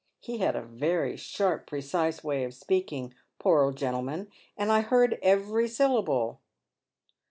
He had a very sharp, precise way of speaking, poor old gentleman, and I heard every syllable."